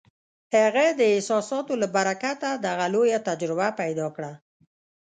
هغه د احساساتو له برکته دغه لویه تجربه پیدا کړه